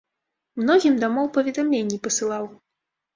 Многім дамоў паведамленні пасылаў.